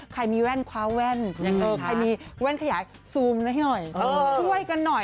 ใครมีแว่นขวาแว่นใครมีแว่นขยายซูมให้หน่อย